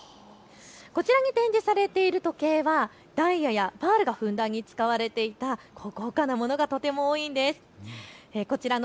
こちらに展示されている時計はダイヤやパールがふんだんに使われた豪華なものが多いんです。